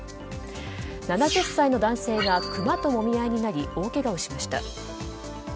７０歳の男性がクマともみ合いになり大けがをしました。